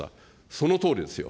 そのとおりですよ。